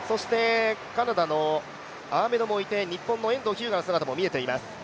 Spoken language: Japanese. カナダのアーメドもいて、日本の遠藤日向の姿も見えています。